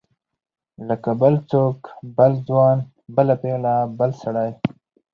لکه بل څوک بل ځوان بله پیغله بل سړی.